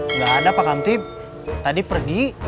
nggak ada pak kamtip tadi pergi